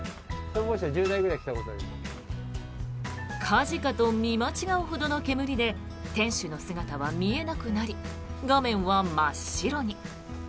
火事かと見間違うほどの煙で店主の姿は見えなくなり画面は真っ白に。